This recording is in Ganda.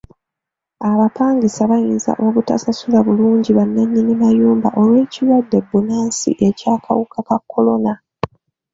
Abapangisa bayinza obutasasula bulungi bannannyini mayumba olw'ekirwadde bbunansi eky'akawuka ka kolona.